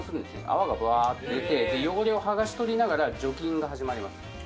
泡がバって出て汚れを剥がし取りながら除菌が始まります